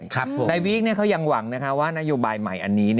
นายวีคเขายังหวังว่านโยบายใหม่อันนี้